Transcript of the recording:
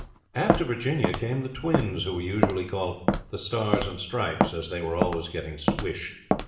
After Virginia came the twins, who were usually called "The Star and Stripes," as they were always getting swished.